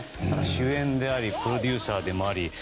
主演でありプロデューサーでもあり。